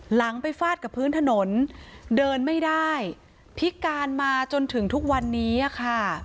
หลังไปฟาดกับพื้นถนนเดินไม่ได้พิการมาจนถึงทุกวันนี้ค่ะ